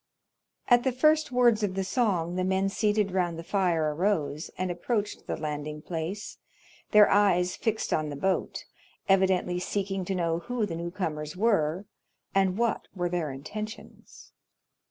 At the first words of the song the men seated round the fire arose and approached the landing place, their eyes fixed on the boat, evidently seeking to know who the new comers were and what were their intentions.